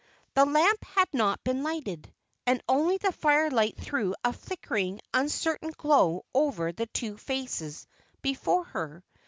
The lamp had not been lighted, and only the firelight threw a flickering, uncertain glow over the two faces before her.